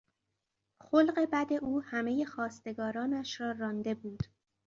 خلق بد او همهی خواستگارانش را رانده بود.